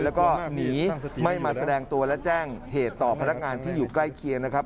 แล้วก็หนีไม่มาแสดงตัวและแจ้งเหตุต่อพนักงานที่อยู่ใกล้เคียงนะครับ